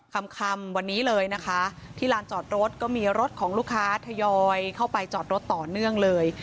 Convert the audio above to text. คำวันนี้เลยนะคะที่ลานจอดรถก็มีรถของลูกค้าทยอยเข้าไปจอดรถต่อเนื่องเลย